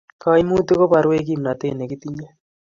kaimutik kobarwech kimnatet nekitinye